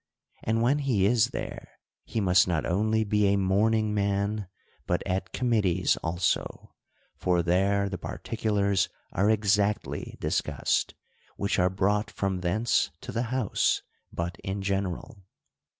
And when he is there, he must not only be a morning man, but at committees also; for there the particulars are exactly discussed, which are brought from thence to the house but in general.